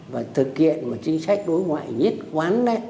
và thực hiện một chính sách đối ngoại nhất quán